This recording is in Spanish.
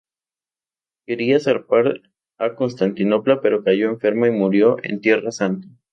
Quería zarpar a Constantinopla pero cayó enferma y murió en Tierra Santa.